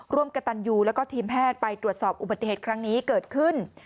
ร่วมกระตันยูแล้วก็ทีมแพทย์ไปตรวจสอบอุบัติเหตุครั้งนี้เกิดขึ้น